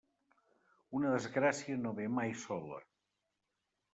Una desgràcia no ve mai sola.